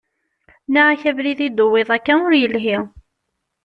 Nniɣ-ak abrid i d-tuwiḍ akka ur yelhi.